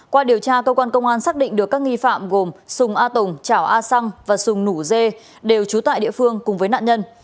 qua điều tra cơ quan công an xác định được các nghi phạm gồm sùng a tùng trảo a săng và sùng nủ dê đều trú tại địa phương cùng với nạn nhân